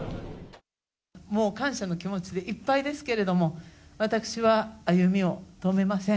もう感謝の気持ちでいっぱいですけれども、私は歩みを止めません。